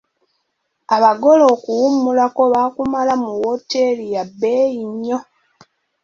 Abagole okuwummulako baakumala mu wooteri yabeeyi nnyo.